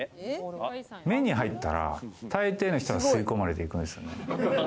目に入ったら、たいていの人は吸い込まれていくんですよね。